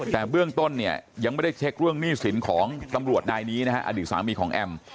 แต่เรื่องต้นยังไม่ได้เช็คเรื่องหนี้ศิลป์ของตำรวจอดีตสามีของแอมป์